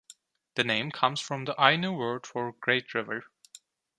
The name comes from the Ainu word for "great river".